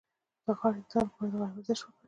د غاړې د درد لپاره د غاړې ورزش وکړئ